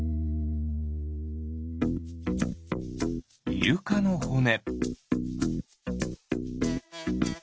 イルカのほね。